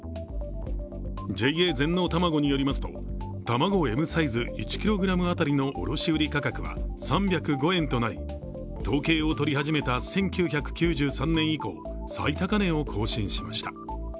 ＪＡ全農たまごによりますと卵Ｍサイズ１ｋｇ当たりの卸売価格は３０５円となり、統計を取り始めた１９９３年以降、最高値を更新しました。